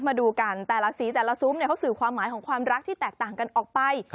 มาดูกันแต่ละสีแต่ละซุ้มเขาสื่อความหมายของความรักที่แตกต่างกันออกไป